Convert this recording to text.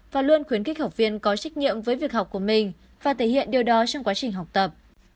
và luôn khuyến khích học viên có trách nhiệm với việc học của mình và thể hiện điều đó trong quá trình học tập